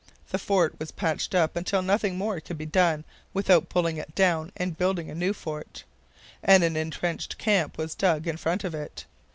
The fort was patched up until nothing more could be done without pulling it down and building a new fort; and an entrenched camp was dug in front of it.